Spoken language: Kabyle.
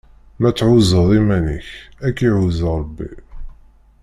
Ma tɛuzzeḍ iman-ik, ad k-iɛuzz Ṛebbi.